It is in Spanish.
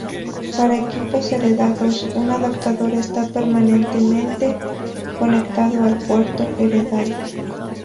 Para equipos heredados, un adaptador está permanentemente conectado al puerto heredado.